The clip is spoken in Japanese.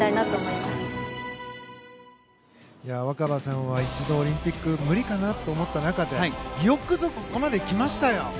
新葉さんは一度、オリンピック無理かなと思った中でよくぞここまで来ましたよ。